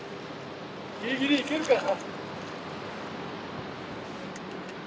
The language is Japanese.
ギリギリいけるかな。